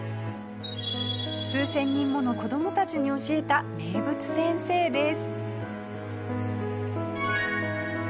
数千人もの子供たちに教えた名物先生です。